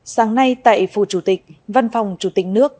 sáng nay tại phủ chủ tịch văn phòng chủ tịch nước